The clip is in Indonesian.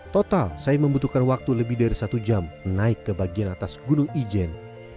total saya membutuhkan waktu lebih dari satu jam naik ke bagian atas gunung ijen